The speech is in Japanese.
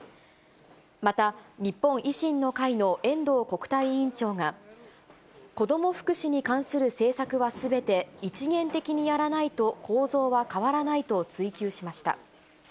また日本維新の会の遠藤国対委員長が、子ども福祉に関する政策はすべて一元的にやらないと構造は変わらないと追及しました。